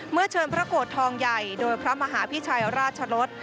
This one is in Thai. เชิญพระโกรธทองใหญ่โดยพระมหาพิชัยราชรส